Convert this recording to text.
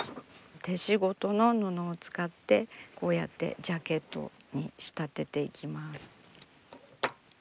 手仕事の布を使ってこうやってジャケットに仕立てていきます。